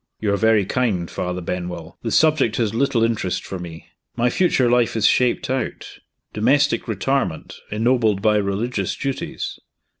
"You are very kind, Father Benwell. The subject has little interest for me. My future life is shaped out domestic retirement, ennobled by religious duties."